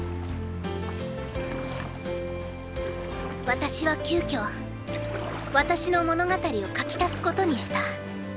私は急遽私の物語を書き足すことにした。